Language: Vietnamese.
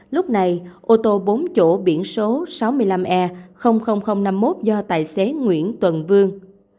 lúc này ô tô bốn chỗ biển số sáu mươi năm e năm mươi một do tài xế nguyễn tuần vương